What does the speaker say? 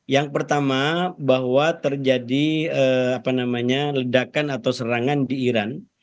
yang pertama bahwa terjadi ledakan atau serangan di iran